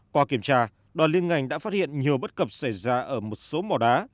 qua kiểm tra đoàn liên ngành đã phát hiện nhiều bất cập xảy ra ở một số mỏ đá